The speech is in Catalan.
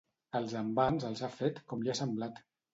Els envans els ha fet com li ha semblat.